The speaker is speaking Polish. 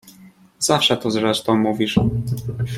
"Zawsze to zresztą mówisz!"